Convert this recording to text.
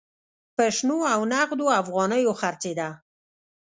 په شنو او نغدو افغانیو خرڅېده.